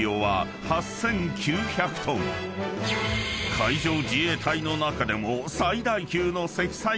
［海上自衛隊の中でも］